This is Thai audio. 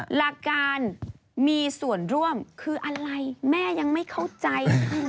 หลักการมีส่วนร่วมคืออะไรแม่ยังไม่เข้าใจ